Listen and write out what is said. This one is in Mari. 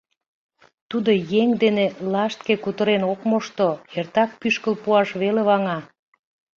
Тудо еҥ дене лаштке кутырен ок мошто, эртак пӱшкыл пуаш веле ваҥа.